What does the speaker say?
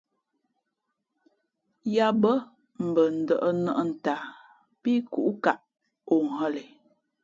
Yǎ bᾱ mbα ndᾱʼ nα̌ʼ ntaa pí kǔʼkaʼ ǒ hᾱ len.